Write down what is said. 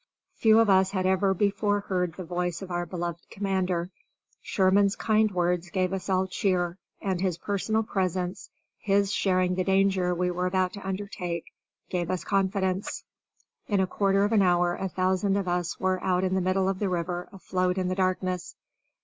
Few of us had ever before heard the voice of our beloved commander. Sherman's kind words gave us all cheer, and his personal presence, his sharing the danger we were about to undertake, gave us confidence. In a quarter of an hour a thousand of us were out in the middle of the river afloat in the darkness.